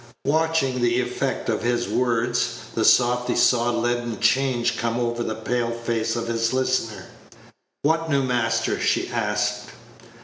Watching the effect of his words, the softy saw a leaden change come over the pale face of his listener. "What new master?" she asked.